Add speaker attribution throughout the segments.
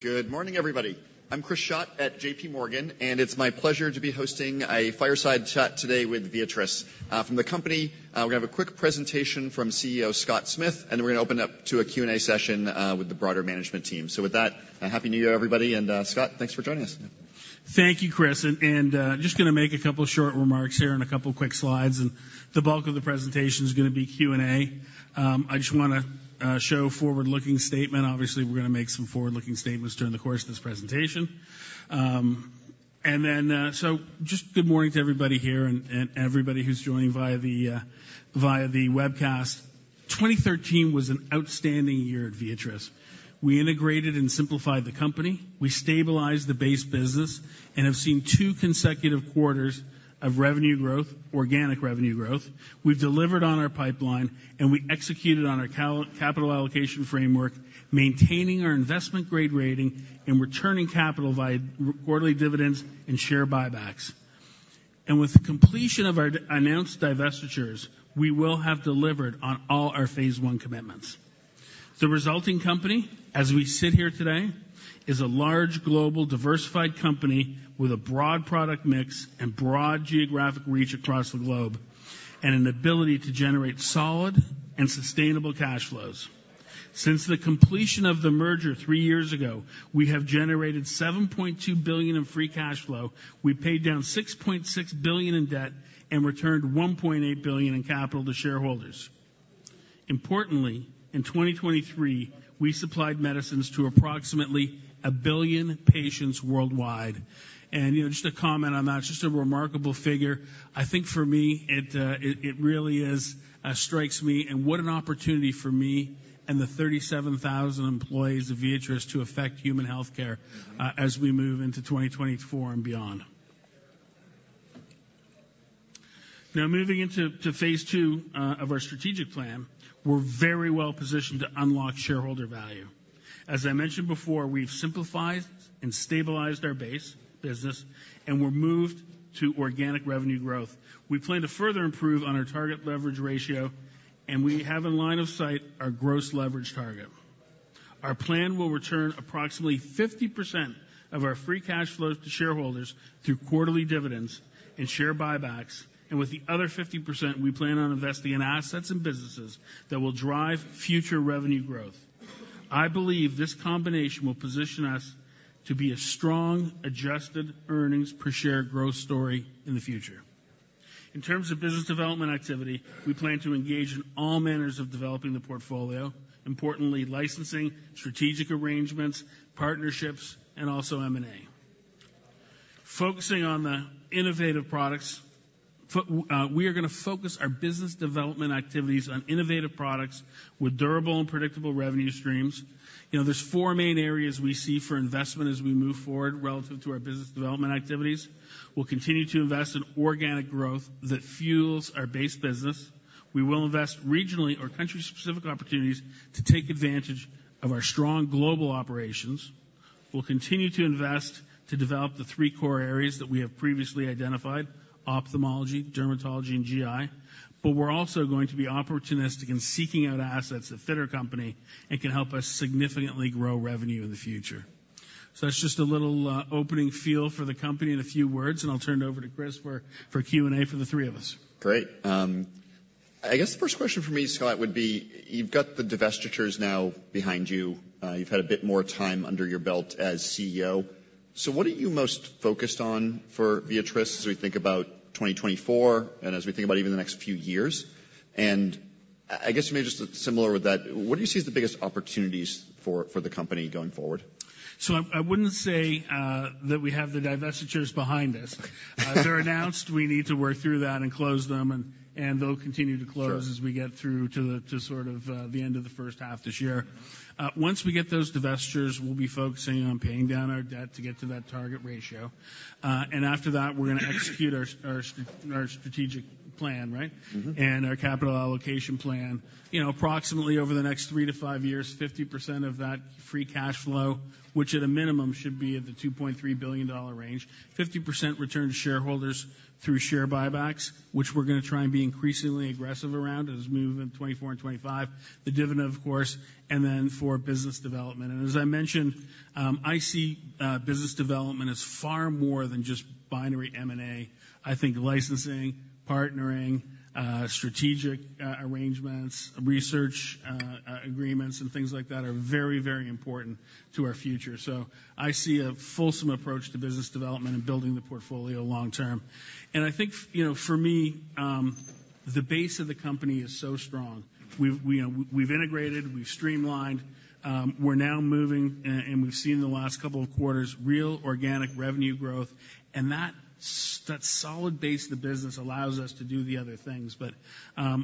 Speaker 1: Good morning, everybody. I'm Chris Schott at JPMorgan, and it's my pleasure to be hosting a fireside chat today with Viatris. From the company, we're going to have a quick presentation from CEO Scott Smith, and then we're going to open up to a Q&A session with the broader management team. So with that, happy New Year, everybody. And, Scott, thanks for joining us.
Speaker 2: Thank you, Chris. And just gonna make a couple of short remarks here and a couple of quick slides, and the bulk of the presentation is gonna be Q&A. I just wanna show a forward-looking statement. Obviously, we're gonna make some forward-looking statements during the course of this presentation. And then, so just good morning to everybody here and everybody who's joining via the webcast. 2013 was an outstanding year at Viatris. We integrated and simplified the company. We stabilized the base business and have seen two consecutive quarters of revenue growth, organic revenue growth. We've delivered on our pipeline, and we executed on our capital allocation framework, maintaining our investment-grade rating and returning capital via quarterly dividends and share buybacks. With the completion of our announced divestitures, we will have delivered on all our phase one commitments. The resulting company, as we sit here today, is a large, global, diversified company with a broad product mix and broad geographic reach across the globe, and an ability to generate solid and sustainable cash flows. Since the completion of the merger three years ago, we have generated $7.2 billion in free cash flow. We paid down $6.6 billion in debt and returned $1.8 billion in capital to shareholders. Importantly, in 2023, we supplied medicines to approximately 1 billion patients worldwide. You know, just a comment on that, just a remarkable figure. I think for me, it really strikes me, and what an opportunity for me and the 37,000 employees of Viatris to affect human healthcare, as we move into 2024 and beyond. Now, moving into phase two of our strategic plan, we're very well positioned to unlock shareholder value. As I mentioned before, we've simplified and stabilized our base business, and we've moved to organic revenue growth. We plan to further improve on our target leverage ratio, and we have in line of sight our gross leverage target. Our plan will return approximately 50% of our free cash flows to shareholders through quarterly dividends and share buybacks, and with the other 50%, we plan on investing in assets and businesses that will drive future revenue growth. I believe this combination will position us to be a strong, adjusted earnings per share growth story in the future. In terms of business development activity, we plan to engage in all manners of developing the portfolio, importantly, licensing, strategic arrangements, partnerships, and also M&A. Focusing on the innovative products, we are gonna focus our business development activities on innovative products with durable and predictable revenue streams. You know, there's four main areas we see for investment as we move forward relative to our business development activities. We'll continue to invest in organic growth that fuels our base business. We will invest regionally or country-specific opportunities to take advantage of our strong global operations. We'll continue to invest to develop the three core areas that we have previously identified: ophthalmology, dermatology, and GI. But we're also going to be opportunistic in seeking out assets that fit our company and can help us significantly grow revenue in the future. So that's just a little, opening feel for the company in a few words, and I'll turn it over to Chris for Q&A for the three of us.
Speaker 1: Great. I guess the first question from me, Scott, would be, you've got the divestitures now behind you. You've had a bit more time under your belt as CEO. So what are you most focused on for Viatris as we think about 2024 and as we think about even the next few years? And I guess maybe just similar with that, what do you see as the biggest opportunities for, for the company going forward?
Speaker 2: So I wouldn't say that we have the divestitures behind us. They're announced, we need to work through that and close them, and they'll continue to close-
Speaker 1: Sure...
Speaker 2: as we get through to sort of the end of the first half this year. Once we get those divestitures, we'll be focusing on paying down our debt to get to that target ratio. And after that, we're gonna execute our strategic plan, right? Our capital allocation plan. You know, approximately over the next three to five years, 50% of that free cash flow, which at a minimum, should be at the $2.3 billion range, 50% return to shareholders through share buybacks, which we're gonna try and be increasingly aggressive around as we move in 2024 and 2025, the dividend, of course, and then for business development. As I mentioned, I see business development as far more than just binary M&A. I think licensing, partnering, strategic arrangements, research agreements and things like that are very, very important to our future. So I see a fulsome approach to business development and building the portfolio long term. And I think, you know, for me, the base of the company is so strong. We've, we... We've integrated, we've streamlined, we're now moving, and we've seen the last couple of quarters, real organic revenue growth, and that solid base of the business allows us to do the other things. But,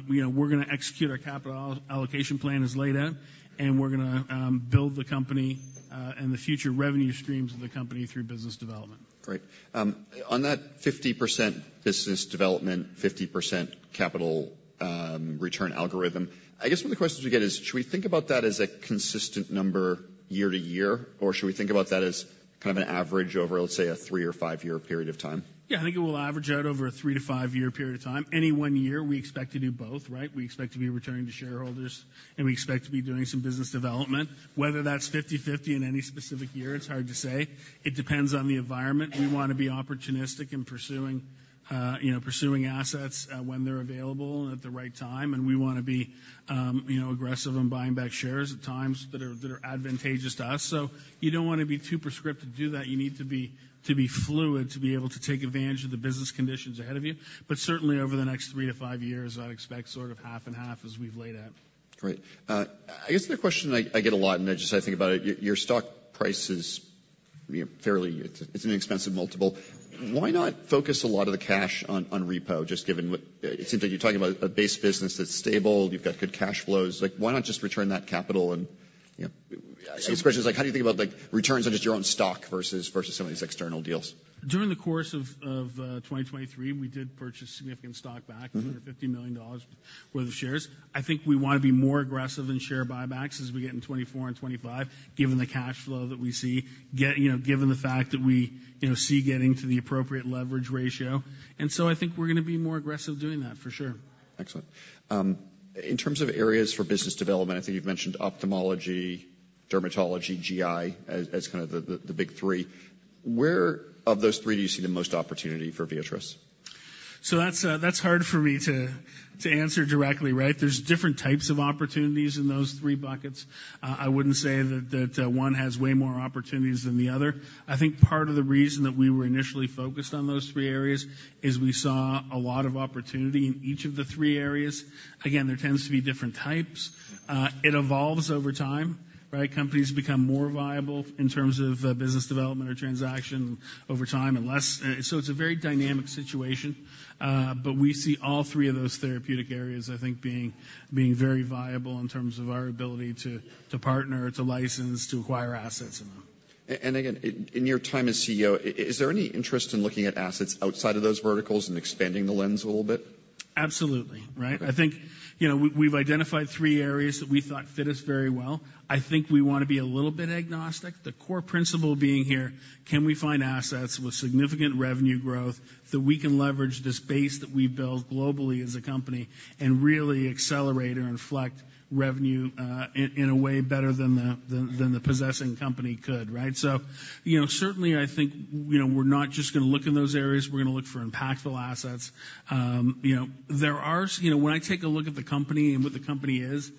Speaker 2: you know, we're gonna execute our capital allocation plan as laid out, and we're gonna build the company and the future revenue streams of the company through business development.
Speaker 1: Great. On that 50% business development, 50% capital, return algorithm, I guess one of the questions we get is, should we think about that as a consistent number year to year, or should we think about that as kind of an average over, let's say, a three or five year period of time?
Speaker 2: Yeah, I think it will average out over a three or five year period of time. Any one year, we expect to do both, right? We expect to be returning to shareholders and we expect to be doing some business development. Whether that's 50/50 in any specific year, it's hard to say. It depends on the environment. We wanna be opportunistic in pursuing, you know, pursuing assets when they're available at the right time, and we wanna be, you know, aggressive in buying back shares at times that are advantageous to us. So you don't wanna be too prescriptive to do that. You need to be fluid, to be able to take advantage of the business conditions ahead of you. But certainly, over the next three or five years, I'd expect sort of half and half as we've laid out.
Speaker 1: Great, I guess the question I get a lot, and I just think about it, your stock price is, you know, fairly... It's an expensive multiple. Why not focus a lot of the cash on repo, just given what it seems like you're talking about a base business that's stable. You've got good cash flows. Like, why not just return that capital and, you know, I guess the question is like, how do you think about, like, returns on just your own stock versus some of these external deals?
Speaker 2: During the course of 2023, we did purchase significant stock back $150 million worth of shares. I think we wanna be more aggressive in share buybacks as we get in 2024 and 2025, given the cash flow that we see, get, you know, given the fact that we, you know, see getting to the appropriate leverage ratio, and so I think we're gonna be more aggressive doing that, for sure.
Speaker 1: Excellent. In terms of areas for business development, I think you've mentioned ophthalmology, dermatology, GI, as kind of the big three. Where of those three do you see the most opportunity for Viatris?
Speaker 2: So that's hard for me to answer directly, right? There's different types of opportunities in those three buckets. I wouldn't say that one has way more opportunities than the other. I think part of the reason that we were initially focused on those three areas is we saw a lot of opportunity in each of the three areas. Again, there tends to be different types. It evolves over time, right? Companies become more viable in terms of business development or transaction over time and less. So it's a very dynamic situation, but we see all three of those therapeutic areas, I think, being very viable in terms of our ability to partner, to license, to acquire assets.
Speaker 1: And again, in your time as CEO, is there any interest in looking at assets outside of those verticals and expanding the lens a little bit?
Speaker 2: Absolutely, right. I think, you know, we've identified three areas that we thought fit us very well. I think we wanna be a little bit agnostic. The core principle being here: Can we find assets with significant revenue growth that we can leverage this base that we've built globally as a company and really accelerate or inflect revenue, in a way better than the possessing company could, right? So, you know, certainly I think, you know, we're not just gonna look in those areas, we're gonna look for impactful assets. You know, when I take a look at the company and what the company is,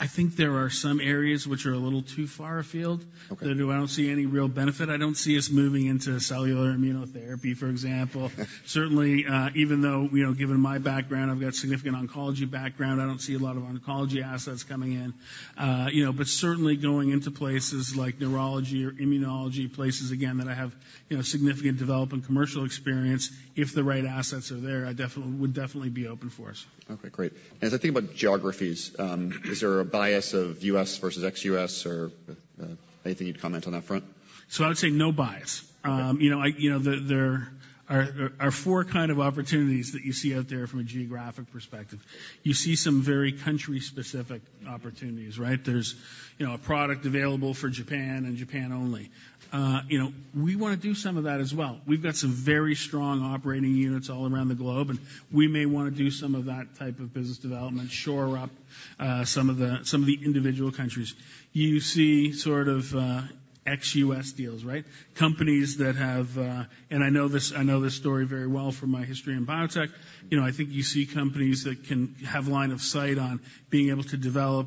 Speaker 2: I think there are some areas which are a little too far afield-
Speaker 1: Okay.
Speaker 2: that I don't see any real benefit. I don't see us moving into cellular immunotherapy, for example. Certainly, even though, you know, given my background, I've got significant oncology background, I don't see a lot of oncology assets coming in. You know, but certainly going into places like neurology or immunology, places, again, that I have, you know, significant development, commercial experience, if the right assets are there, I definitely, would definitely be open for us.
Speaker 1: Okay, great. As I think about geographies, is there a bias of U.S. versus ex-U.S. or anything you'd comment on that front?
Speaker 2: I would say no bias. You know, there are four kind of opportunities that you see out there from a geographic perspective. You see some very country-specific opportunities, right? There's a product available for Japan and Japan only. You know, we wanna do some of that as well. We've got some very strong operating units all around the globe, and we may wanna do some of that type of business development, shore up some of the individual countries. You see sort of ex-US deals, right? Companies that have... And I know this story very well from my history in biotech. You know, I think you see companies that can have line of sight on being able to develop,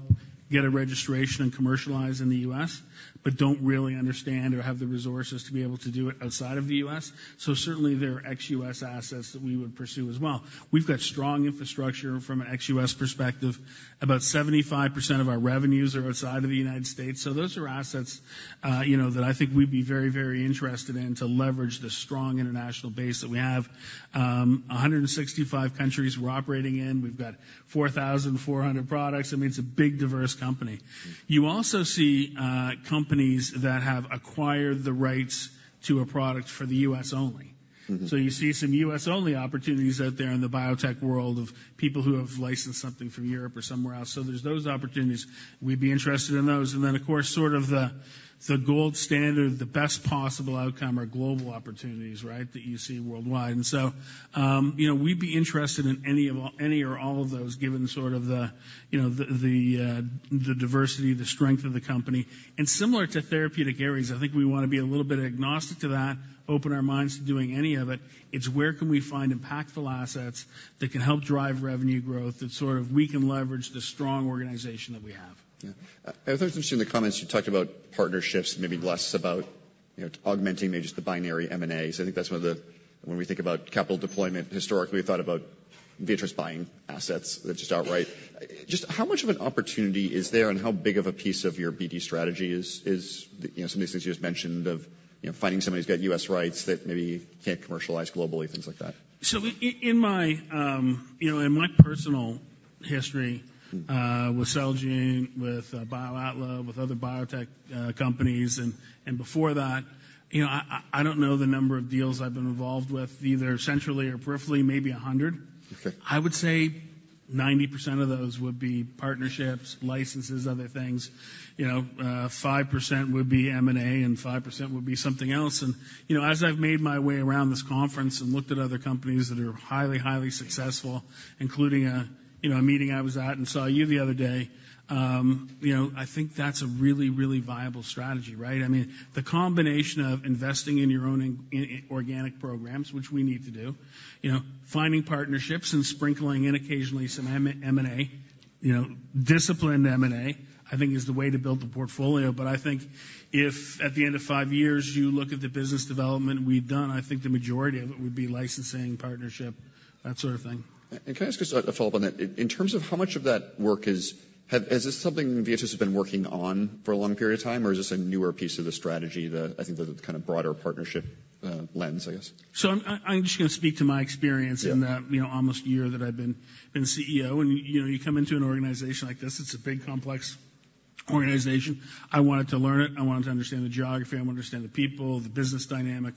Speaker 2: get a registration, and commercialize in the U.S., but don't really understand or have the resources to be able to do it outside of the U.S. So certainly, there are ex-U.S. assets that we would pursue as well. We've got strong infrastructure from an ex-U.S. perspective. About 75% of our revenues are outside of the United States, so those are assets, you know, that I think we'd be very, very interested in to leverage the strong international base that we have. 165 countries we're operating in. We've got 4,400 products. I mean, it's a big, diverse company.
Speaker 1: Mm-hmm.
Speaker 2: You also see companies that have acquired the rights to a product for the U.S. only.
Speaker 1: Mm-hmm.
Speaker 2: So you see some U.S.-only opportunities out there in the biotech world of people who have licensed something from Europe or somewhere else. So there's those opportunities. We'd be interested in those, and then, of course, sort of the, the gold standard, the best possible outcome are global opportunities, right, that you see worldwide. And so, you know, we'd be interested in any of all, any or all of those, given sort of the, you know, the, the, the diversity, the strength of the company. And similar to therapeutic areas, I think we wanna be a little bit agnostic to that, open our minds to doing any of it. It's where can we find impactful assets that can help drive revenue growth, that sort of we can leverage the strong organization that we have?
Speaker 1: Yeah. I was interested in the comments. You talked about partnerships, maybe less about, you know, augmenting maybe just the binary M&As. I think that's one of the... When we think about capital deployment, historically, we thought about Viatris buying assets just outright. Just how much of an opportunity is there and how big of a piece of your BD strategy is, you know, some of these things you just mentioned of, you know, finding somebody who's got US rights that maybe can't commercialize globally, things like that?
Speaker 2: So in, in my, you know, in my personal history-
Speaker 1: Mm-hmm.
Speaker 2: with Celgene, with BioAtla, with other biotech companies, and before that, you know, I don't know the number of deals I've been involved with, either centrally or peripherally, maybe 100.
Speaker 1: Okay.
Speaker 2: I would say ninety percent of those would be partnerships, licenses, other things. You know, five percent would be M&A, and five percent would be something else. And, you know, as I've made my way around this conference and looked at other companies that are highly, highly successful, including a, you know, a meeting I was at, and saw you the other day, you know, I think that's a really, really viable strategy, right? I mean, the combination of investing in your own in organic programs, which we need to do, you know, finding partnerships and sprinkling in occasionally some M&A, you know, disciplined M&A, I think is the way to build the portfolio. But I think if at the end of five years, you look at the business development we've done, I think the majority of it would be licensing, partnership, that sort of thing.
Speaker 1: Can I just ask a follow-up on that? In terms of how much of that work is this something Viatris has been working on for a long period of time, or is this a newer piece of the strategy that I think the kind of broader partnership lens, I guess?
Speaker 2: So I'm just gonna speak to my experience-
Speaker 1: Yeah...
Speaker 2: in the, you know, almost a year that I've been, been CEO, and, you know, you come into an organization like this, it's a big, complex organization. I wanted to learn it. I wanted to understand the geography. I want to understand the people, the business dynamic.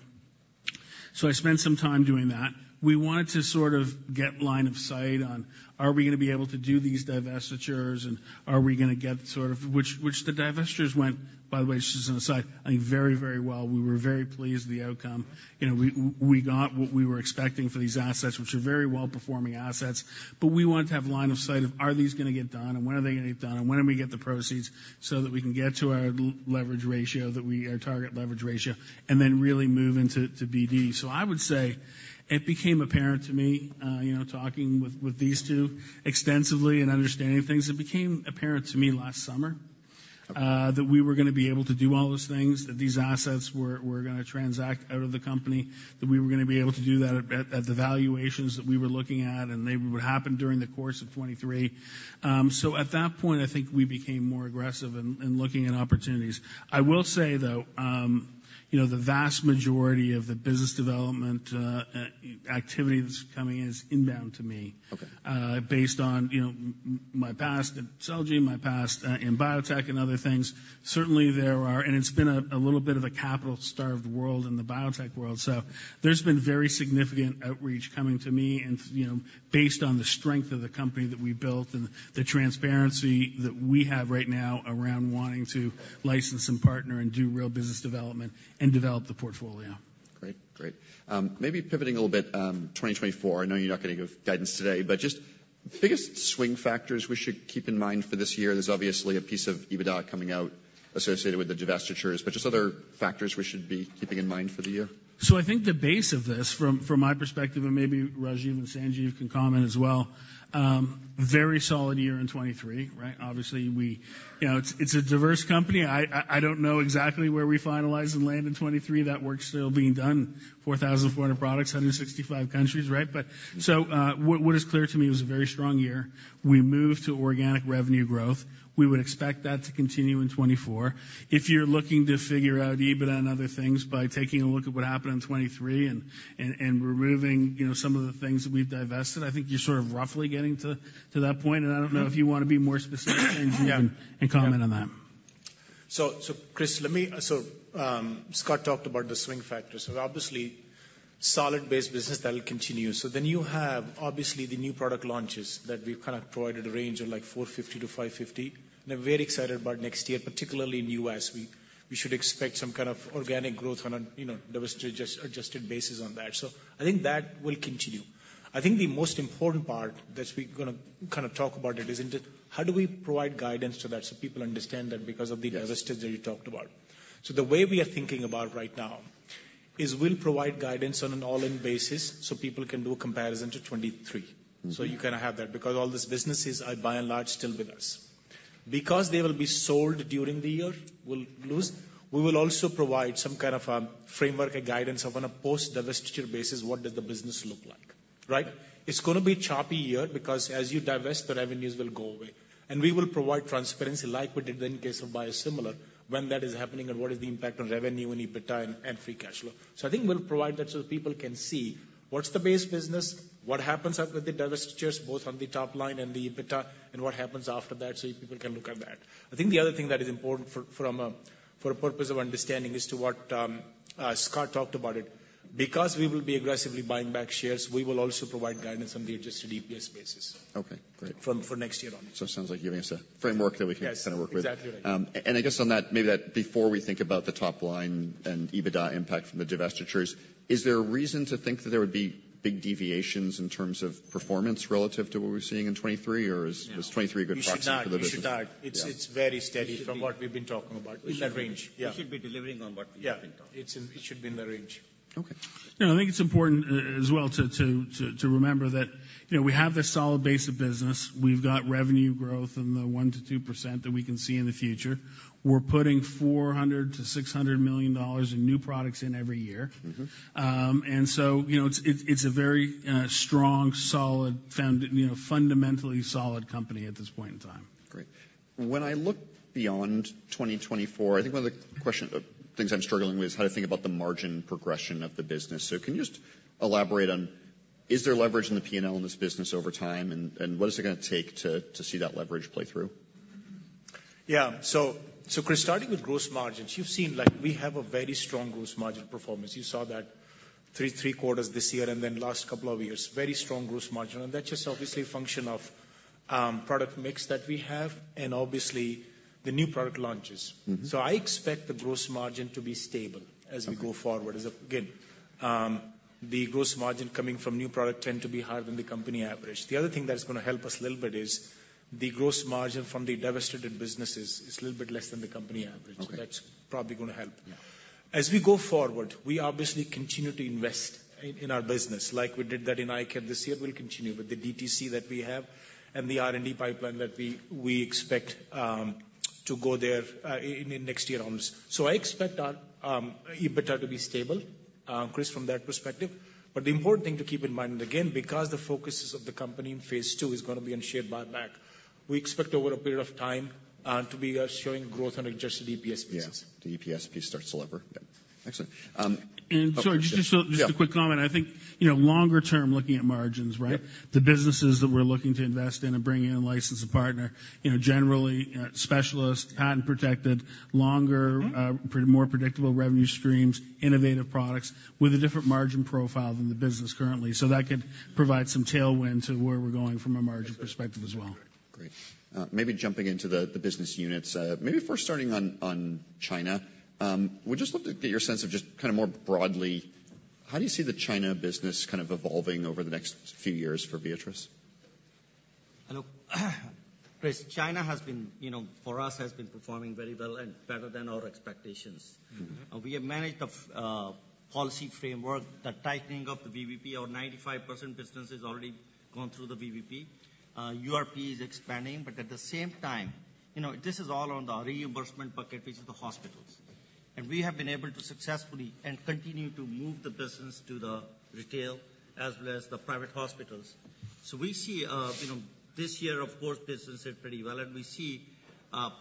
Speaker 2: So I spent some time doing that. We wanted to sort of get line of sight on, are we gonna be able to do these divestitures, and are we gonna get sort of... Which, which the divestitures went, by the way, just an aside, I think, very, very well. We were very pleased with the outcome. You know, we, we got what we were expecting for these assets, which are very well-performing assets, but we wanted to have line of sight of, are these gonna get done? And when are they gonna get done, and when do we get the proceeds so that we can get to our leverage ratio, our target leverage ratio, and then really move into to BD. So I would say it became apparent to me, you know, talking with these two extensively and understanding things, it became apparent to me last summer, that we were gonna be able to do all those things, that these assets were gonna transact out of the company, that we were gonna be able to do that at the valuations that we were looking at, and they would happen during the course of 2023. So at that point, I think we became more aggressive in looking at opportunities. I will say, though, you know, the vast majority of the business development activity that's coming in is inbound to me.
Speaker 1: Okay.
Speaker 2: Based on, you know, my past at Celgene, my past in biotech and other things. Certainly, there are. And it's been a little bit of a capital-starved world in the biotech world, so there's been very significant outreach coming to me and, you know, based on the strength of the company that we built and the transparency that we have right now around wanting to license and partner and do real business development and develop the portfolio.
Speaker 1: Great. Great. Maybe pivoting a little bit, 2024, I know you're not giving guidance today, but just the biggest swing factors we should keep in mind for this year. There's obviously a piece of EBITDA coming out associated with the divestitures, but just other factors we should be keeping in mind for the year.
Speaker 2: So I think the base of this, from my perspective, and maybe Rajiv and Sanjeev can comment as well, very solid year in 2023, right? Obviously, we... You know, it's a diverse company. I don't know exactly where we finalized and landed in 2023. That work's still being done. 4,400 products, 165 countries, right? But, so, what is clear to me, it was a very strong year. We moved to organic revenue growth. We would expect that to continue in 2024. If you're looking to figure out EBITDA and other things by taking a look at what happened in 2023 and removing, you know, some of the things that we've divested, I think you're sort of roughly getting to that point. I don't know if you want to be more specific and comment on that.
Speaker 3: So, Chris, let me. So, Scott talked about the swing factors. So obviously, solid base business, that will continue. So then you have, obviously, the new product launches that we've kind of provided a range of like $450 million-$550 million. And we're very excited about next year, particularly in U.S. We should expect some kind of organic growth on a, you know, divestiture adjusted basis on that. So I think that will continue. I think the most important part that we're gonna kind of talk about it is in the, how do we provide guidance to that so people understand that because of the-
Speaker 1: Yes...
Speaker 3: divestitures that you talked about? So the way we are thinking about right now is we'll provide guidance on an all-in basis, so people can do a comparison to 2023.
Speaker 1: Mm-hmm.
Speaker 3: So you kind of have that because all these businesses are, by and large, still with us. Because they will be sold during the year, we'll lose. We will also provide some kind of a framework, a guidance on a post-divestiture basis, what does the business look like, right? It's gonna be a choppy year because as you divest, the revenues will go away. And we will provide transparency, like we did in case of biosimilar, when that is happening and what is the impact on revenue and EBITDA and free cash flow. So I think we'll provide that so people can see what's the base business, what happens after the divestitures, both on the top line and the EBITDA, and what happens after that, so people can look at that. I think the other thing that is important for a purpose of understanding as to what Scott talked about it. Because we will be aggressively buying back shares, we will also provide guidance on the Adjusted EPS basis-
Speaker 1: Okay, great...
Speaker 3: for next year on.
Speaker 1: It sounds like you're giving us a framework that we can-
Speaker 3: Yes...
Speaker 1: kind of work with.
Speaker 3: Exactly, right.
Speaker 1: And I guess on that, maybe that before we think about the top line and EBITDA impact from the divestitures, is there a reason to think that there would be big deviations in terms of performance relative to what we're seeing in 2023, or is-
Speaker 3: No...
Speaker 1: 2023 a good proxy for the business?
Speaker 3: You should not. It's very steady from what we've been talking about. In that range, yeah.
Speaker 4: We should be delivering on what we have been talking.
Speaker 3: Yeah, it should be in the range.
Speaker 1: Okay.
Speaker 2: You know, I think it's important as well to remember that, you know, we have this solid base of business. We've got revenue growth in the 1%-2% that we can see in the future. We're putting $400 million-$600 million in new products in every year.
Speaker 1: Mm-hmm.
Speaker 2: So, you know, it's a very strong, solid, you know, fundamentally solid company at this point in time.
Speaker 1: Great. When I look beyond 2024, I think one of the things I'm struggling with is how to think about the margin progression of the business. So can you just elaborate on, is there leverage in the P&L in this business over time, and what is it gonna take to see that leverage play through?...
Speaker 3: Yeah. So, so Chris, starting with gross margins, you've seen, like, we have a very strong gross margin performance. You saw that three, three quarters this year, and then last couple of years, very strong gross margin. And that's just obviously a function of product mix that we have and obviously the new product launches.
Speaker 1: Mm-hmm.
Speaker 3: I expect the gross margin to be stable-
Speaker 1: Okay.
Speaker 3: As we go forward. As again, the gross margin coming from new product tend to be higher than the company average. The other thing that is gonna help us a little bit is, the gross margin from the divested businesses is a little bit less than the company average.
Speaker 1: Okay.
Speaker 3: That's probably gonna help.
Speaker 1: Yeah.
Speaker 3: As we go forward, we obviously continue to invest in our business, like we did that in Eye Care this year. We'll continue with the DTC that we have and the R&D pipeline that we expect to go there in next year onwards. So I expect our EBITDA to be stable, Chris, from that perspective. But the important thing to keep in mind, again, because the focuses of the company in phase two is gonna be in share buyback, we expect over a period of time to be showing growth on adjusted EPS basis.
Speaker 1: Yeah, the EPS piece starts to deliver. Yeah, excellent.
Speaker 2: Sorry, just a quick comment.
Speaker 1: Yeah.
Speaker 2: I think, you know, longer term, looking at margins, right?
Speaker 1: Yeah.
Speaker 2: The businesses that we're looking to invest in and bring in a licensed partner, you know, generally, specialist, patent-protected, longer-
Speaker 1: Mm-hmm.
Speaker 2: more predictable revenue streams, innovative products, with a different margin profile than the business currently. So that could provide some tailwind to where we're going from a margin perspective as well.
Speaker 1: Great. Maybe jumping into the business units. Maybe first starting on China. Would just love to get your sense of just kind of more broadly, how do you see the China business kind of evolving over the next few years for Viatris?
Speaker 4: Hello. Chris, China has been, you know, for us, has been performing very well and better than our expectations.
Speaker 1: Mm-hmm.
Speaker 4: We have managed the policy framework, the tightening of the VBP. Our 95% business has already gone through the VBP. URP is expanding, but at the same time, you know, this is all on the reimbursement package of the hospitals. And we have been able to successfully and continue to move the business to the retail as well as the private hospitals. So we see, you know, this year, of course, business did pretty well, and we see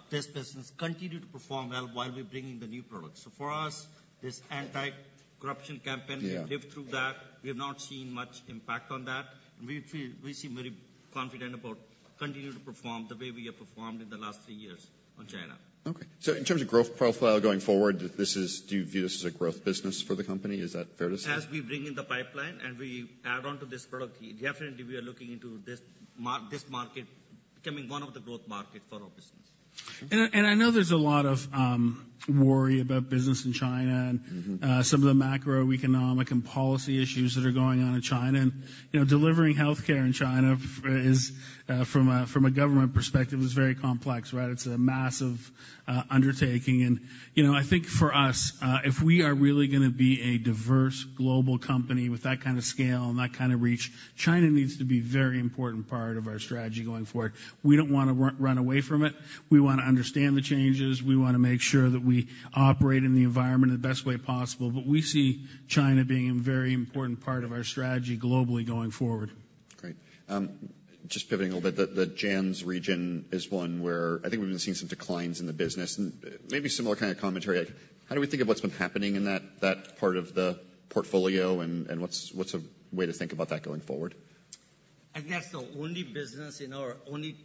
Speaker 4: this business continue to perform well while we're bringing the new products. So for us, this anti-corruption campaign-
Speaker 1: Yeah
Speaker 4: We lived through that, we have not seen much impact on that. We feel, we seem very confident about continuing to perform the way we have performed in the last three years on China.
Speaker 1: Okay. So in terms of growth profile going forward, this is, do you view this as a growth business for the company? Is that fair to say?
Speaker 4: As we bring in the pipeline and we add on to this product, definitely, we are looking into this market becoming one of the growth market for our business.
Speaker 2: I know there's a lot of worry about business in China-
Speaker 1: Mm-hmm...
Speaker 2: and some of the macroeconomic and policy issues that are going on in China. And, you know, delivering healthcare in China for is from a government perspective very complex, right? It's a massive undertaking. And, you know, I think for us, if we are really gonna be a diverse global company with that kind of scale and that kind of reach, China needs to be a very important part of our strategy going forward. We don't want to run away from it. We want to understand the changes. We want to make sure that we operate in the environment in the best way possible. But we see China being a very important part of our strategy globally going forward.
Speaker 1: Great. Just pivoting a little bit, the JANZ region is one where I think we've been seeing some declines in the business. And maybe similar kind of commentary, how do we think of what's been happening in that part of the portfolio? And what's a way to think about that going forward?
Speaker 4: That's the only business in our only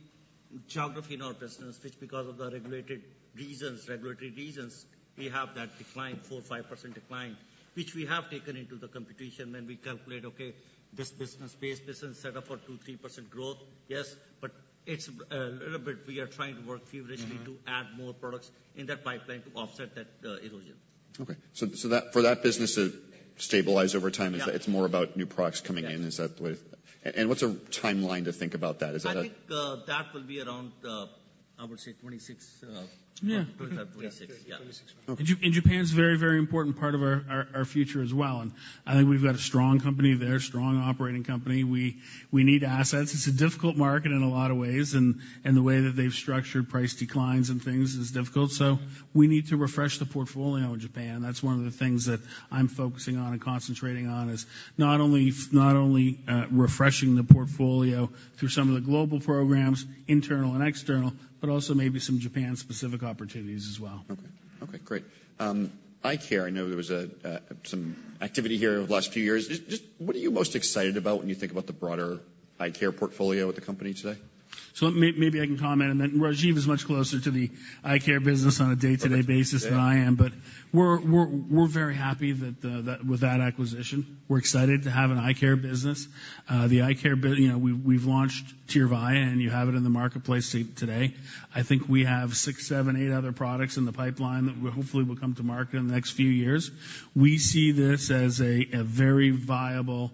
Speaker 4: geography in our business, which, because of the regulated reasons, regulatory reasons, we have that 4%-5% decline, which we have taken into the computation when we calculate, okay, this business, base business, set up for 2%-3% growth. Yes, but it's a little bit... We are trying to work feverishly-
Speaker 1: Mm-hmm...
Speaker 4: to add more products in that pipeline to offset that erosion.
Speaker 1: Okay. So, for that business to stabilize over time-
Speaker 4: Yeah...
Speaker 1: it's more about new products coming in.
Speaker 4: Yeah.
Speaker 1: Is that the way? And what's a timeline to think about that? Is that a-
Speaker 4: I think that will be around. I would say 2026.
Speaker 2: Yeah.
Speaker 4: 2026, yeah.
Speaker 2: 2026.
Speaker 1: Okay.
Speaker 2: And Japan's a very, very important part of our future as well, and I think we've got a strong company there, strong operating company. We need assets. It's a difficult market in a lot of ways, and the way that they've structured price declines and things is difficult, so we need to refresh the portfolio in Japan. That's one of the things that I'm focusing on and concentrating on is not only refreshing the portfolio through some of the global programs, internal and external, but also maybe some Japan-specific opportunities as well.
Speaker 1: Okay. Okay, great. Eye Care, I know there was some activity here over the last few years. Just what are you most excited about when you think about the broader Eye Care portfolio with the company today?
Speaker 2: So maybe I can comment, and then Rajiv is much closer to the Eye Care business on a day-to-day basis.
Speaker 1: Okay...
Speaker 2: than I am, but we're very happy with that acquisition. We're excited to have an Eye Care business. The Eye Care business—you know, we've launched Tyrvaya, and you have it in the marketplace today. I think we have six, seven, eight other products in the pipeline that will hopefully come to market in the next few years. We see this as a very viable,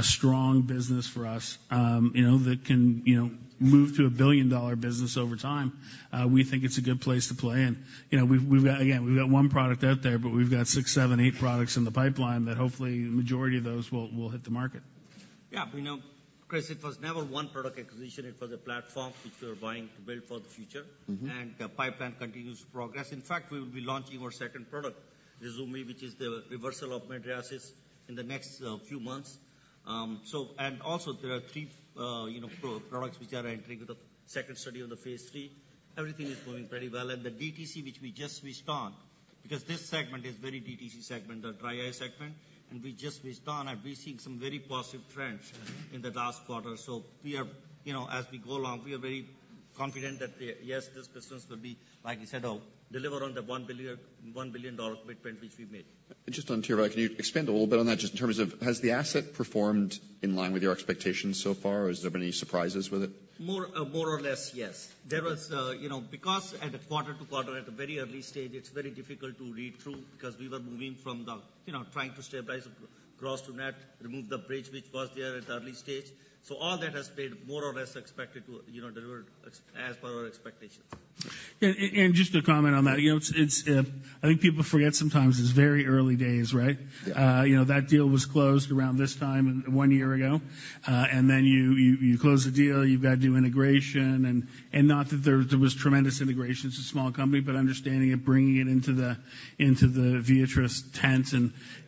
Speaker 2: strong business for us, you know, that can move to a billion-dollar business over time. We think it's a good place to play in. You know, we've got, again, we've got one product out there, but we've got six, seven, eight products in the pipeline that hopefully the majority of those will hit the market.
Speaker 4: Yeah, you know, Chris, it was never one product acquisition. It was a platform which we're buying to build for the future.
Speaker 1: Mm-hmm.
Speaker 4: The pipeline continues to progress. In fact, we will be launching our second product, Ryzumvi, which is the reversal of mydriasis, in the next few months. So and also, there are three, you know, products which are entering the second study of the phase III. Everything is going very well. The DTC, which we just switched on because this segment is very DTC segment, the dry eye segment, and we just reached on, and we're seeing some very positive trends in the last quarter. So we are, you know, as we go along, we are very confident that, yes, this business will be, like you said, deliver on the $1 billion, $1 billion dollar commitment which we made.
Speaker 1: Just on Tyrvaya, can you expand a little bit on that, just in terms of has the asset performed in line with your expectations so far, or has there been any surprises with it?
Speaker 4: More or less, yes. There was, you know, because at a quarter-over-quarter, at a very early stage, it's very difficult to read through, because we were moving from the, you know, trying to stabilize the gross-to-net, remove the bridge which was there at the early stage. So all that has been more or less expected to, you know, deliver as, as per our expectations.
Speaker 2: Just to comment on that, you know, it's, I think people forget sometimes it's very early days, right?
Speaker 4: Yeah.
Speaker 2: You know, that deal was closed around this time one year ago. And then you close the deal, you've got to do integration, and not that there was tremendous integration. It's a small company, but understanding it, bringing it into the Viatris tent,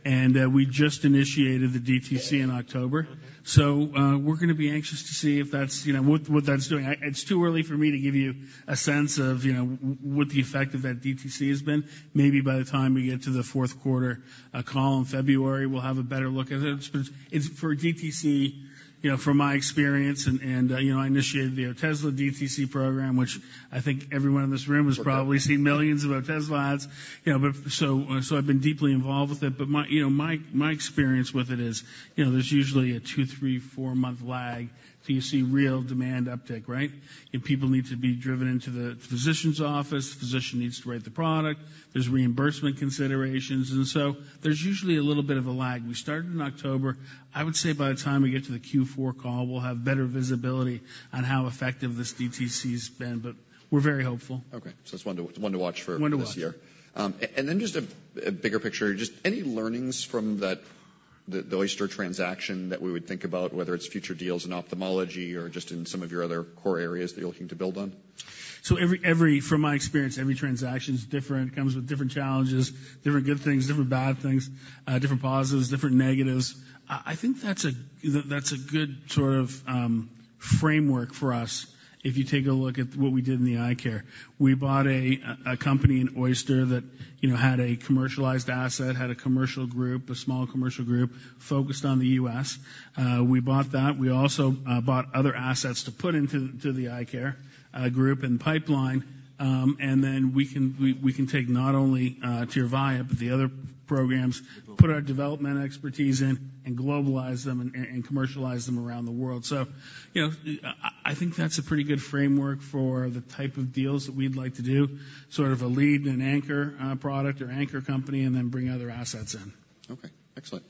Speaker 2: and we just initiated the DTC in October. So, we're gonna be anxious to see if that's, you know, what that's doing. It's too early for me to give you a sense of, you know, what the effect of that DTC has been. Maybe by the time we get to the fourth quarter call in February, we'll have a better look at it. It's for DTC, you know, from my experience and, and, you know, I initiated the Otezla DTC program, which I think everyone in this room has probably seen millions of Otezla ads. You know, but so, so I've been deeply involved with it. But my, you know, my, my experience with it is, you know, there's usually a two, three, four month lag till you see real demand uptick, right? And people need to be driven into the physician's office, the physician needs to write the product, there's reimbursement considerations, and so there's usually a little bit of a lag. We started in October. I would say by the time we get to the Q4 call, we'll have better visibility on how effective this DTC has been, but we're very hopeful.
Speaker 1: Okay, so it's one to watch for this year.
Speaker 2: One to watch.
Speaker 1: And then just a bigger picture. Just any learnings from that, the Oyster transaction that we would think about, whether it's future deals in ophthalmology or just in some of your other core areas that you're looking to build on?
Speaker 2: From my experience, every transaction is different, comes with different challenges, different good things, different bad things, different positives, different negatives. I think that's a good sort of framework for us if you take a look at what we did in the Eye Care. We bought a company in Oyster Point that, you know, had a commercialized asset, had a commercial group, a small commercial group, focused on the U.S. We bought that. We also bought other assets to put into the Eye Care group and pipeline. And then we can take not only Tyrvaya, but the other programs, put our development expertise in and globalize them and commercialize them around the world. So, you know, I think that's a pretty good framework for the type of deals that we'd like to do. Sort of a lead and anchor product or anchor company, and then bring other assets in.
Speaker 1: Okay, excellent.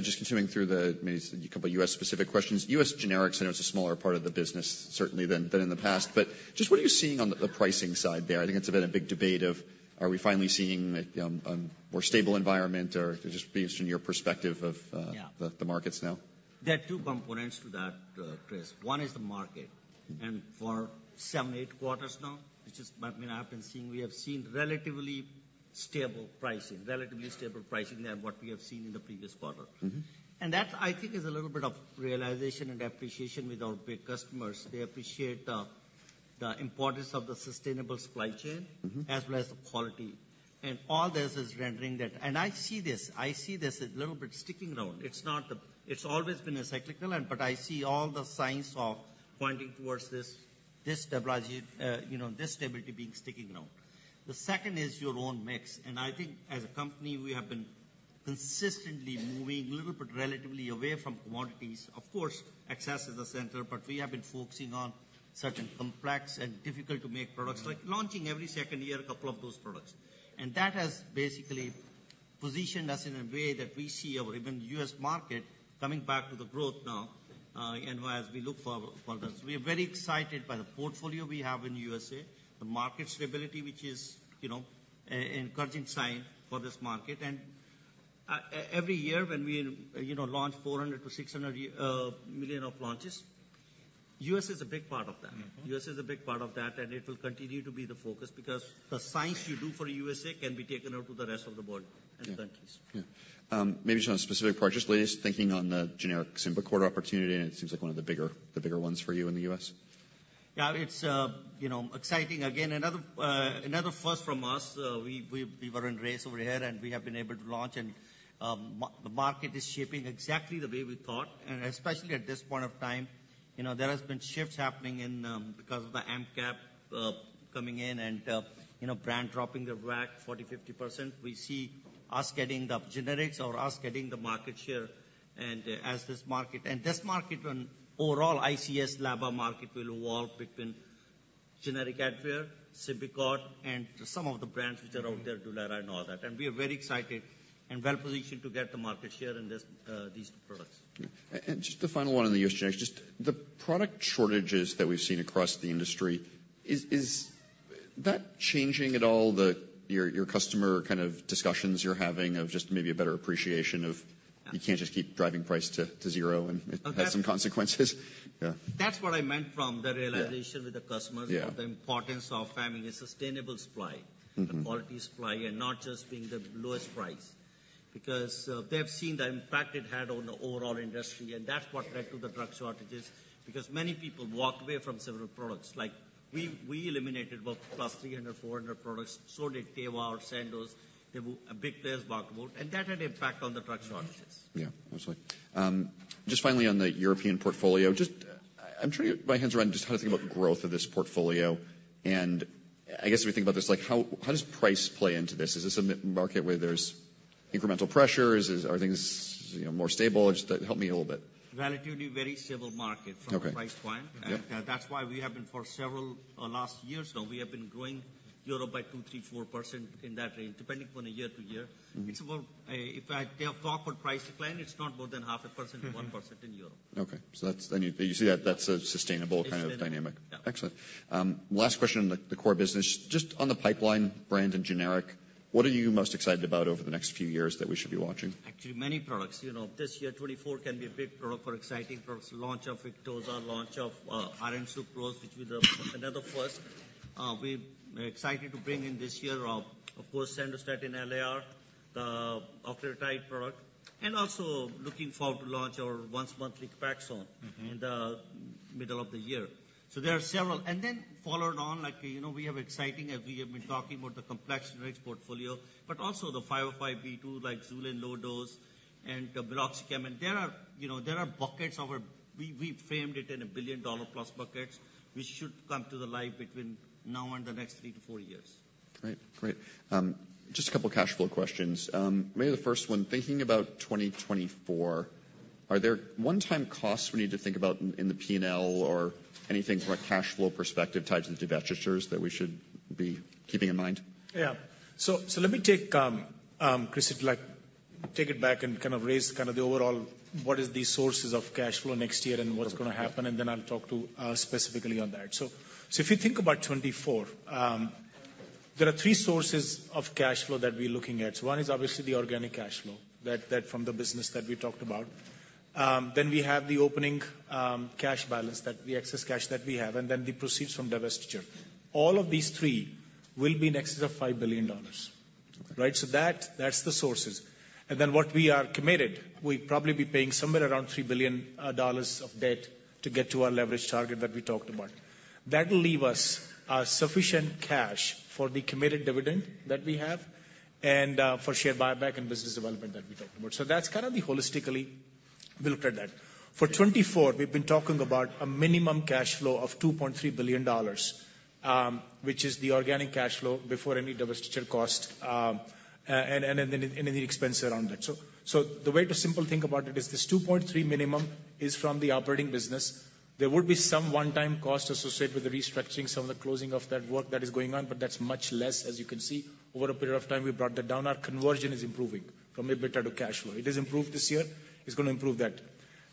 Speaker 1: Just continuing through the, maybe a couple of U.S. specific questions. U.S. generics, I know it's a smaller part of the business, certainly than in the past, but just what are you seeing on the pricing side there? I think it's been a big debate of, are we finally seeing more stable environment or just based on your perspective of?
Speaker 4: Yeah...
Speaker 1: the markets now?
Speaker 4: There are two components to that, Chris. One is the market, and for seven to eight quarters now, which is, I mean, I've been seeing, we have seen relatively stable pricing, relatively stable pricing than what we have seen in the previous quarter.
Speaker 1: Mm-hmm.
Speaker 4: That, I think, is a little bit of realization and appreciation with our big customers. They appreciate the, the importance of the sustainable supply chain-
Speaker 1: Mm-hmm...
Speaker 4: as well as the quality. And all this is rendering that. And I see this, I see this a little bit sticking around. It's not the- it's always been a cyclical, but I see all the signs of pointing towards this, this stability, you know, this stability being sticking around. The second is your own mix, and I think as a company, we have been consistently moving a little bit, relatively away from quantities. Of course, access is the center, but we have been focusing on certain complex and difficult-to-make products-
Speaker 1: Mm-hmm...
Speaker 4: like launching every second year, a couple of those products. And that has basically positioned us in a way that we see our even U.S. market coming back to the growth now, and as we look for this. We are very excited by the portfolio we have in the USA, the market stability, which is, you know, encouraging sign for this market. And every year, when we, you know, launch $400 million-$600 million of launches, U.S. is a big part of that.
Speaker 1: Mm-hmm.
Speaker 4: U.S. is a big part of that, and it will continue to be the focus because the science you do for U.S.A. can be taken out to the rest of the world-
Speaker 1: Yeah...
Speaker 4: and countries.
Speaker 1: Yeah. Maybe just on a specific purchase, please, thinking on the generic Symbicort opportunity, and it seems like one of the bigger, the bigger ones for you in the U.S.
Speaker 4: Yeah, it's, you know, exciting. Again, another first from us. We were in the race over here, and we have been able to launch, and the market is shaping exactly the way we thought, and especially at this point of time. You know, there has been shifts happening in because of the AMP cap coming in and, you know, brands dropping the price 40%-50%. We see us getting the generics or us getting the market share, and as this market and overall ICS/LABA market will evolve between generic Advair, Symbicort, and some of the brands which are out there, Dulera and all that. And we are very excited and well-positioned to get the market share in this, these two products.
Speaker 1: Yeah. Just the final one on the U.S. generics, just the product shortages that we've seen across the industry, is that changing at all, your customer kind of discussions you're having of just maybe a better appreciation of-
Speaker 4: Yeah...
Speaker 1: you can't just keep driving price to zero, and it has some consequences? Yeah.
Speaker 4: That's what I meant from the realization-
Speaker 1: Yeah...
Speaker 4: with the customers.
Speaker 1: Yeah...
Speaker 4: of the importance of having a sustainable supply-
Speaker 1: Mm-hmm...
Speaker 4: a quality supply, and not just being the lowest price.... because they have seen the impact it had on the overall industry, and that's what led to the drug shortages, because many people walked away from several products. Like, we eliminated about 300-400 products. So did Teva or Sandoz. Big players walked away, and that had impact on the drug shortages.
Speaker 1: Yeah, absolutely. Just finally, on the European portfolio, just, I'm trying to get my hands around just how to think about the growth of this portfolio, and I guess, if we think about this, like, how does price play into this? Is this a market where there's incremental pressures? Are things, you know, more stable? Just help me a little bit.
Speaker 4: Relatively very stable market-
Speaker 1: Okay.
Speaker 4: -from a price point.
Speaker 1: Yeah.
Speaker 4: That's why we have been for several last years, so we have been growing Europe by two, three, 4% in that range, depending upon the year to year.
Speaker 1: Mm-hmm.
Speaker 4: It's about, if I talk about price decline, it's not more than 0.5% or 1% in Europe.
Speaker 1: Okay. So that's, I mean, you see that, that's a sustainable kind of dynamic.
Speaker 4: Yeah.
Speaker 1: Excellent. Last question on the core business. Just on the pipeline, brand and generic, what are you most excited about over the next few years that we should be watching?
Speaker 4: Actually, many products. You know, this year, 2024 can be a big year for exciting products, launch of Victoza, launch of iron sucrose, which was another first. We're excited to bring in this year, of course, Sandostatin LAR, the octreotide product, and also looking forward to launch our once monthly Copaxone-
Speaker 1: Mm-hmm
Speaker 4: in the middle of the year. So there are several. And then followed on, like, you know, we have exciting, as we have been talking about the complex generics portfolio, but also the 505(b)(2), like Xulane low dose and the Breyna. There are, you know, there are buckets of our... We framed it in a $ billion+ buckets, which should come to light between now and the next three to four years.
Speaker 1: Great. Great. Just a couple of cash flow questions. Maybe the first one, thinking about 2024, are there one-time costs we need to think about in, in the P&L or anything from a cash flow perspective tied to the divestitures that we should be keeping in mind?
Speaker 3: Yeah. So let me take, Chris, take it back and kind of raise kind of the overall, what is the sources of cash flow next year and what's gonna happen?
Speaker 1: Okay.
Speaker 3: And then I'll talk to specifically on that. So if you think about 2024, there are three sources of cash flow that we're looking at. So one is obviously the organic cash flow, that from the business that we talked about. Then we have the opening cash balance, that the excess cash that we have, and then the proceeds from divestiture. All of these three will be in excess of $5 billion.
Speaker 1: Okay.
Speaker 3: Right? So that, that's the sources. And then what we are committed, we'd probably be paying somewhere around $3 billion of debt to get to our leverage target that we talked about. That will leave us sufficient cash for the committed dividend that we have and for share buyback and business development that we talked about. So that's kind of the holistically we looked at that. For 2024, we've been talking about a minimum cash flow of $2.3 billion, which is the organic cash flow before any divestiture cost and any expense around it. So the way to simply think about it is this 2.3 minimum is from the operating business. There would be some one-time cost associated with the restructuring, some of the closing of that work that is going on, but that's much less, as you can see. Over a period of time, we brought that down. Our conversion is improving from EBITDA to cash flow. It has improved this year. It's gonna improve that.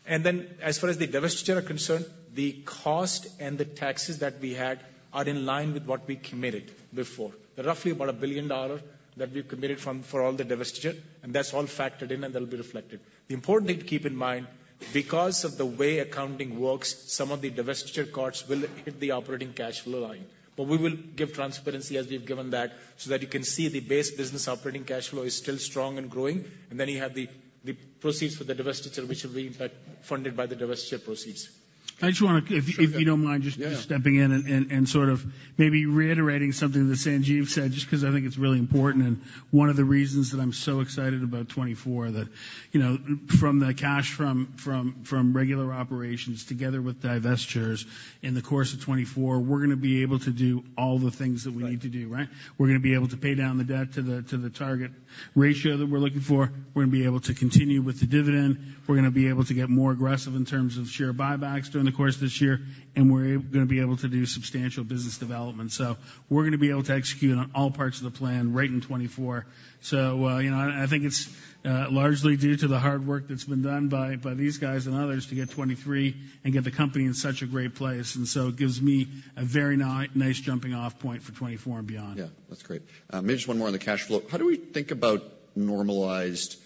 Speaker 3: And then as far as the divestiture are concerned, the cost and the taxes that we had are in line with what we committed before. Roughly about $1 billion that we've committed for all the divestiture, and that's all factored in, and that'll be reflected. The important thing to keep in mind, because of the way accounting works, some of the divestiture costs will hit the operating cash flow line. But we will give transparency as we've given that, so that you can see the base business operating cash flow is still strong and growing. And then you have the proceeds for the divestiture, which will be, in fact, funded by the divestiture proceeds.
Speaker 2: I just wanna... If you don't mind just-
Speaker 1: Yeah...
Speaker 2: stepping in and sort of maybe reiterating something that Sanjeev said, just 'cause I think it's really important and one of the reasons that I'm so excited about 2024. That, you know, from the cash from regular operations together with divestitures in the course of 2024, we're gonna be able to do all the things that we need to do, right?
Speaker 1: Right.
Speaker 2: We're gonna be able to pay down the debt to the target ratio that we're looking for. We're gonna be able to continue with the dividend. We're gonna be able to get more aggressive in terms of share buybacks during the course of this year, and we're gonna be able to do substantial business development. So we're gonna be able to execute on all parts of the plan right in 2024. So, you know, I think it's largely due to the hard work that's been done by these guys and others to get 2023 and get the company in such a great place. And so it gives me a very nice jumping off point for 2024 and beyond.
Speaker 1: Yeah, that's great. Maybe just one more on the cash flow. How do we think about normalized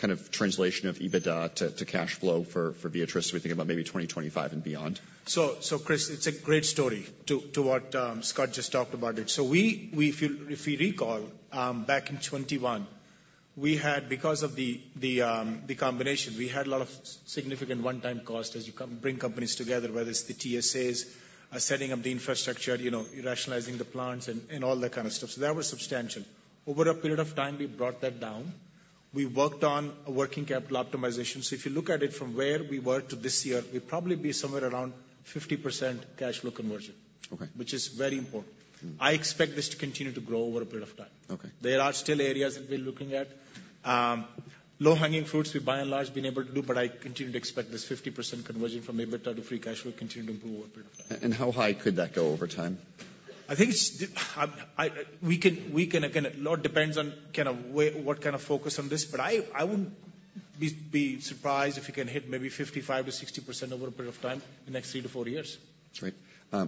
Speaker 1: kind of translation of EBITDA to cash flow for Viatris? We think about maybe 2025 and beyond.
Speaker 3: So, Chris, it's a great story to what Scott just talked about. So we—if you recall, back in 2021, we had, because of the combination, we had a lot of significant one-time costs as you come, bring companies together, whether it's the TSAs, setting up the infrastructure, you know, rationalizing the plants, and all that kind of stuff. So that was substantial. Over a period of time, we brought that down. We worked on a working capital optimization. So if you look at it from where we were to this year, we'd probably be somewhere around 50% cash flow conversion.
Speaker 1: Okay.
Speaker 3: Which is very important.
Speaker 1: Mm-hmm.
Speaker 3: I expect this to continue to grow over a period of time.
Speaker 1: Okay.
Speaker 3: There are still areas that we're looking at. Low-hanging fruits, we by and large been able to do, but I continue to expect this 50% conversion from EBITDA to free cash will continue to improve over a period of time.
Speaker 1: How high could that go over time?
Speaker 3: I think it's. We can, we can, again, a lot depends on kind of what kind of focus on this, but I, I wouldn't be surprised if we can hit maybe 55%-60% over a period of time, the next three to four years.
Speaker 1: Great.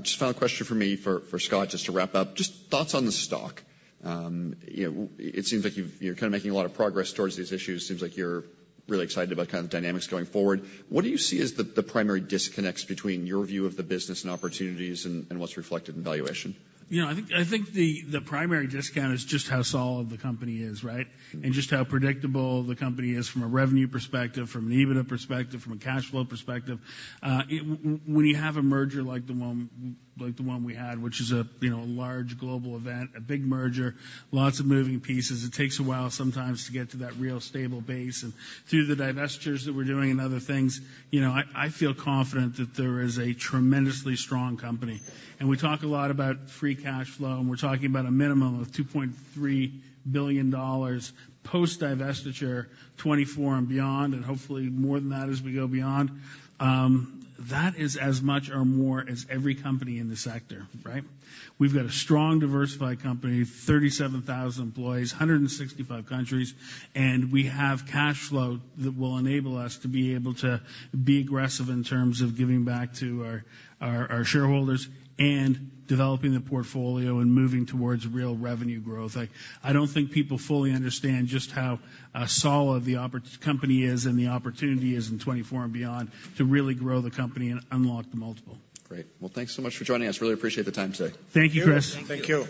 Speaker 1: Just final question for me, for, for Scott, just to wrap up. Just thoughts on the stock. You know, it seems like you've, you're kind of making a lot of progress towards these issues. Seems like you're really excited about the kind of dynamics going forward. What do you see as the, the primary disconnects between your view of the business and opportunities and, and what's reflected in valuation?
Speaker 2: You know, I think the primary discount is just how solid the company is, right?
Speaker 1: Mm-hmm.
Speaker 2: And just how predictable the company is from a revenue perspective, from an EBITDA perspective, from a cash flow perspective. When you have a merger like the one, like the one we had, which is a, you know, a large global event, a big merger, lots of moving pieces, it takes a while sometimes to get to that real stable base. And through the divestitures that we're doing and other things, you know, I feel confident that there is a tremendously strong company. And we talk a lot about free cash flow, and we're talking about a minimum of $2.3 billion post-divestiture, 2024 and beyond, and hopefully more than that as we go beyond. That is as much or more as every company in the sector, right? We've got a strong, diversified company, 37,000 employees, 165 countries, and we have cash flow that will enable us to be able to be aggressive in terms of giving back to our shareholders and developing the portfolio and moving towards real revenue growth. Like, I don't think people fully understand just how solid the company is and the opportunity is in 2024 and beyond, to really grow the company and unlock the multiple.
Speaker 1: Great. Well, thanks so much for joining us. Really appreciate the time today.
Speaker 2: Thank you, Chris.
Speaker 3: Thank you.